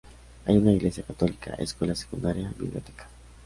Hay una iglesia católica, escuela secundaria, biblioteca.